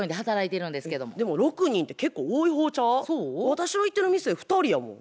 私が行ってる店２人やもん。